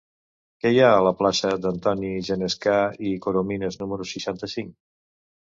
Què hi ha a la plaça d'Antoni Genescà i Corominas número seixanta-cinc?